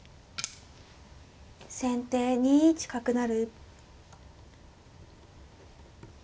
先手２一角成。